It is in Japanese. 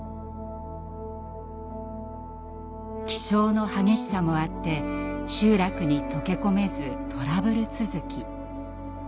気性の激しさもあって集落に溶け込めずトラブル続き。